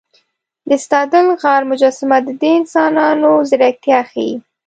د ستادل غار مجسمه د دې انسانانو ځیرکتیا ښيي.